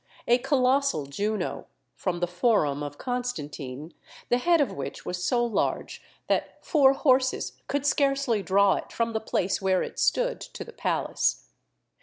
A colossal Juno, from the forum of Constantine, the head of which was so large that four horses could scarcely draw it from the place where it stood to the palace.